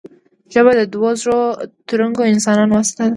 ژبه د دوو زړه تړونکو انسانانو واسطه ده